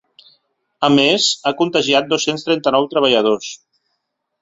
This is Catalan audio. A més, ha contagiat dos-cents trenta-nou treballadors.